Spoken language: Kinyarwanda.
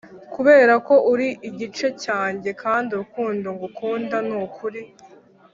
kuberako uri igice cyanjye kandi urukundo ngukunda nukuri.